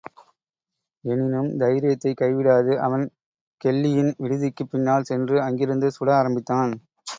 எனினும் தைரியத்தைக் கைவிடாது அவன் கெல்லியின் விடுதிக்குப் பின்னால் சென்று அங்கிருந்து சுட ஆரம்பித்தான்.